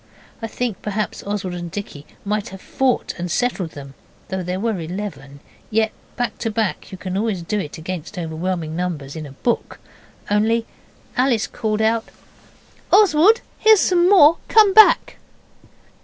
I think perhaps Oswald and Dicky might have fought and settled them though there were eleven, yet back to back you can always do it against overwhelming numbers in a book only Alice called out 'Oswald, here's some more, come back!